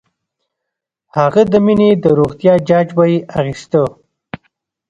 هغه د مينې د روغتيا جاج به یې اخيسته